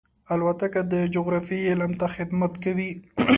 الوتکه د جغرافیې علم ته خدمت کوي.